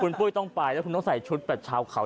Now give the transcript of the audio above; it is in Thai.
คุณปุ้ยต้องไปแล้วก็ต้องใส่ชุดเฉาไล่